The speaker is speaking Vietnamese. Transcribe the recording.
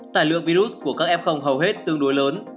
tài lượng virus của các f hầu hết tương đối lớn